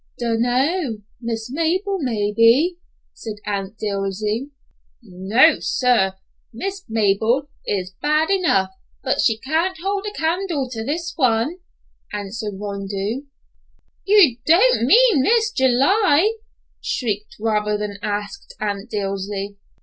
"Dun know—Miss Mabel, maybe," said Aunt Dilsey. "No, sir; Miss Mabel is bad enough, but she can't hold a candle to this one," answered Rondeau. "You don't mean Miss July," shrieked rather than asked Aunt Dilsey.